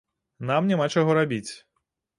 Нам няма чаго рабіць.